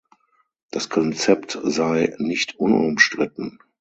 Das Konzept sei „nicht unumstritten“.